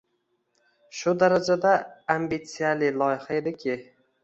shu darajada ambitsiyali loyiha ediki